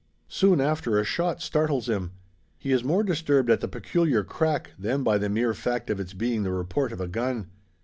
Soon after a shot startles him. He is more disturbed at the peculiar crack, than by the mere fact of its being the report of a gun.